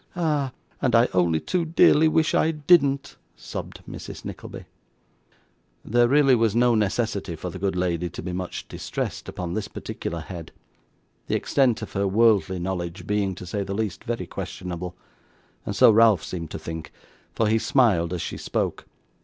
'Ah! and I only too dearly wish I didn't,' sobbed Mrs. Nickleby. There really was no necessity for the good lady to be much distressed upon this particular head; the extent of her worldly knowledge being, to say the least, very questionable; and so Ralph seemed to think, for he smiled as she spoke.